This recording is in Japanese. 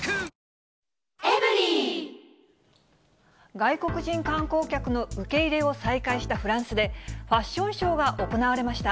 外国人観光客の受け入れを再開したフランスで、ファッションショーが行われました。